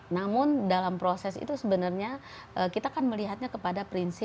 namun dalam proses itu sebenarnya kita kan melihatnya kepada prinsip